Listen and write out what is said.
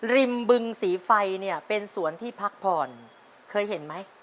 บึงสีไฟเนี่ยเป็นสวนที่พักผ่อนเคยเห็นไหม